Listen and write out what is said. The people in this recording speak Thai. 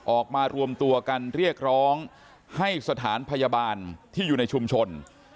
ออกมารวมตัวกันเรียกร้องให้สถานพยาบาลที่อยู่ในชุมชน